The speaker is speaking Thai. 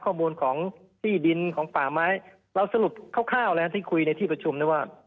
ข้อมูลของที่ดินของป่าไม้เราสรุปคร่าวแล้วที่คุยในที่ประชุมได้ว่า